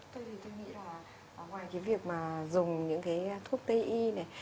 tôi thì tôi nghĩ là ngoài cái việc mà dùng những cái thuốc t i này